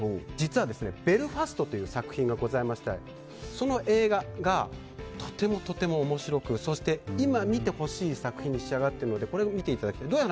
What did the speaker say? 実は、「ベルファスト」という作品がございましてその映画が、とてもとても面白くそして、今見てほしい作品に仕上がっているのでこれも見ていただきたい。